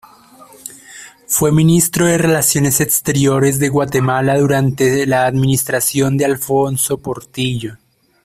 Fue Ministro de Relaciones Exteriores de Guatemala durante la administración de Alfonso Portillo.